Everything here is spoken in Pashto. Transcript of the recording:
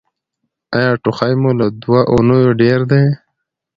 ایا ټوخی مو له دوه اونیو ډیر دی؟